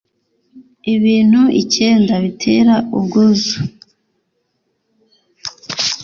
Ibintu icyenda bitera ubwuzu